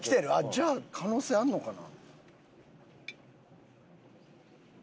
じゃあ可能性あるのかな？